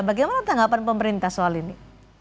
bagaimana tanggapan pemerintah soal ini